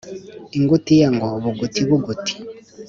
ingutiya ngo bugutibuguti